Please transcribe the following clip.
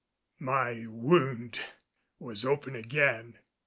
My wound was open again.